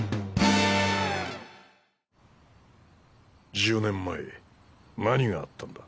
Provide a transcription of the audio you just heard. １０年前何があったんだ？